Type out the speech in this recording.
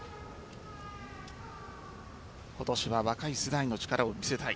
今年は若い世代の力を見せたい。